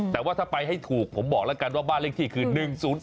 แต่ว่าถ้าไปให้ถูกผมบอกละกันบ้านเลขที่คือ๓๐๓๗หมู๕